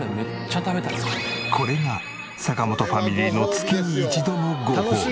これが坂本ファミリーの月に一度のごほうび。